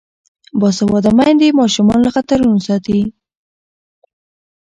باسواده میندې ماشومان له خطرونو ساتي.